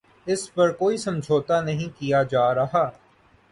اس پر کوئی سمجھوتہ نہیں کیا جارہا